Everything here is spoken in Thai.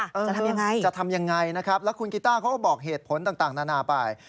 จะทำยังไงจะทำยังไงนะครับแล้วคุณกิต้าเขาก็บอกเหตุผลต่างนานาไป